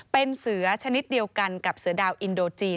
เป็นเสือชนิดเดียวกันกับเสือดาวอินโดจีน